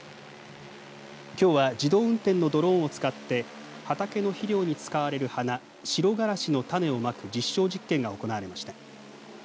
きょうは自動運転のドローンを使って畑の肥料に使われる花シロガラシの種をまく実証実験が行われました。